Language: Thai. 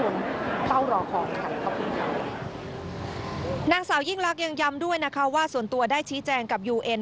นางสาวยิ่งลักษณ์ยังย้ำด้วยนะคะว่าส่วนตัวได้ชี้แจงกับยูเอ็น